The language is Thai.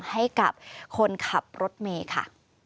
ให้กับคนขับรถเมย์ค่ะ